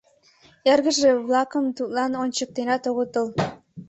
Эргыже-влакым тудлан ончыктенат огытыл.